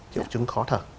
triệu chứng khó thở